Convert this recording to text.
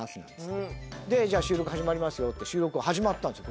じゃあ収録始まりますよって収録始まったんですよ